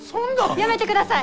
やめてください！